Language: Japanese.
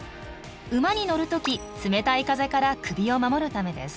馬に乗る時冷たい風から首を守るためです。